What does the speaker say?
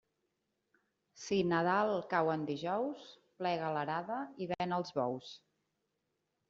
Si Nadal cau en dijous, plega l'arada i ven els bous.